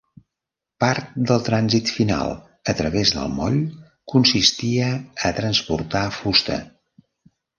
Part del trànsit final a través del moll consistia a transportar fusta.